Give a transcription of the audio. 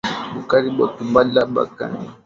bukari bwa kimbala aba bupikiyake nkuku